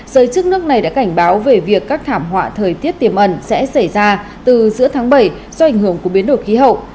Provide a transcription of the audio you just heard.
giới chức nước này đã cảnh báo về việc các thảm họa thời tiết tiềm ẩn sẽ xảy ra từ giữa tháng bảy do ảnh hưởng của biến đổi khí hậu